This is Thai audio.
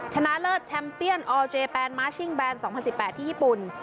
ชนะเลิศแชมเปียนออเจแปนม้าชิงแบน๒๐๑๘ที่ญี่ปุ่น